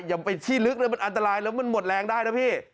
อย่าไปที่ลึกเลยมันอันตรายแล้วมันหมดแรงได้นะพี่